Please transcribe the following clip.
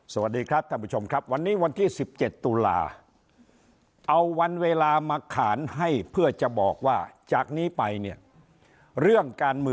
สวัสดีครับคุณบุ๊คครับคุณน้ำแข็งครับ